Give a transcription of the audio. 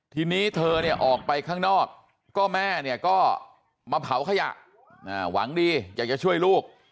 ทีนี้เธอเนี่ยออกไปข้างนอกก็แม่เนี่ยก็มาเผาขยะหวังดีอยากจะช่วยลูก